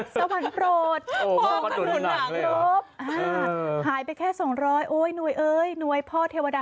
สวัสดีสวัสดีสวัสดีสวัสดีสวัสดีสวัสดีสวัสดีสวัสดี